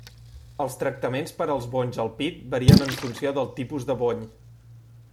Els tractaments per als bonys al pit varien en funció del tipus de bony.